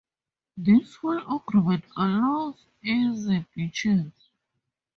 This hull arrangement allows easy beaching.